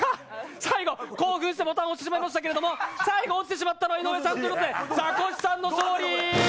最後、興奮してボタンを押してしまいましたけど、最後に落ちてしまったのは井上さんということで、ザコシさんの勝利！